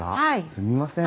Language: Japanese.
すみません。